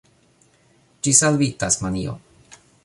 Ĝis al vi, Tasmanio!